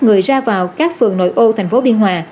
người ra vào các phường nội ô thành phố biên hòa